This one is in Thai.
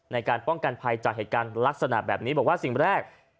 ในการป้องกันภัยจากเหตุการณ์ลักษณะแบบนี้บอกว่าสิ่งแรก